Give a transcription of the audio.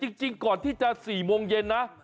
จริงก่อนที่จะ๔โมงเย็นนะ